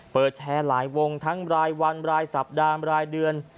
เปิดแชร์หลายวงทั้งรายวันรายสัปดาห์รายเดือน